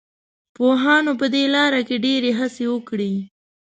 پوهانو په دې لاره کې ډېرې هڅې وکړې.